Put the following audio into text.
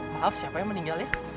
maaf siapa yang meninggal ya